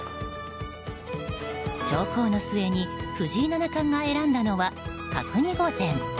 長考の末に藤井七冠が選んだのは角煮御膳。